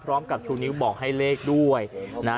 พร้อมกับชูนิ้วบอกให้เลขด้วยนะฮะ